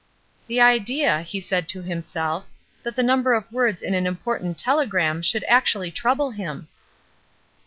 "The idea," he said to himself, "that the number of words in an important telegram should actually trouble him!"